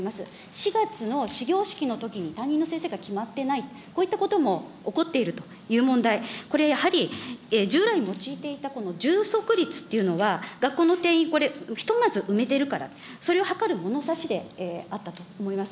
４月の始業式とともに担任の先生が決まっていない、こういったことも起こっているという問題、これやはり、従来に用いていた充足率っていうのは、学校の定員、これひとまず埋めてるから、それを測る物差しであったと思います。